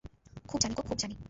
খুব জানি গো খুব জানি।